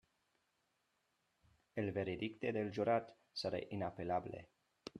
El veredicte del jurat serà inapel·lable.